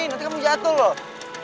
nanti kamu jatuh loh